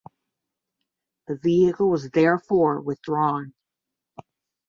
The vehicle was therefore withdrawn.